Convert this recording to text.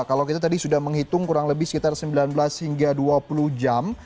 kalau kita tadi sudah menghitung kurang lebih sekitar sembilan belas hingga dua puluh jam